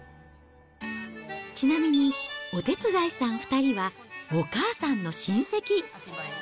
ちなみにお手伝いさん２人は、お母さんの親戚。